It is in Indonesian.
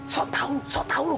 sotau sotau lu